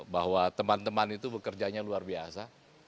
bahwa teman teman itu bekerjanya luar biasa